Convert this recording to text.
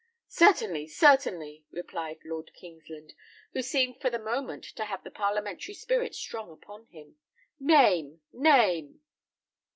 "Certainly, certainly," replied Lord Kingsland, who seemed for the moment to have the parliamentary spirit strong upon him. "Name, name!"